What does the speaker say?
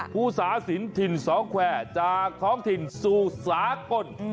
ผู้สาศิลป์ถิ่นสองแควร์จากท้องถิ่นสูอยสาหกล